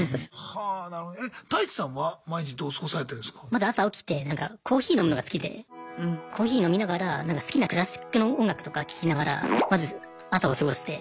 まず朝起きてコーヒー飲むのが好きでコーヒー飲みながら好きなクラシックの音楽とか聴きながらまず朝を過ごして。